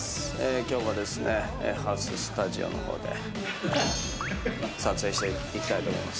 今日もハウススタジオの方で撮影していきたいと思います。